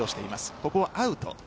ここはアウト。